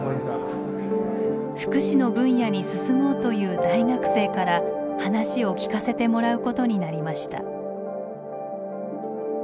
福祉の分野に進もうという大学生から話を聞かせてもらうことになりました。